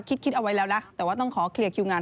คิดเอาไว้แล้วนะแต่ว่าต้องขอเคลียร์คิวงาน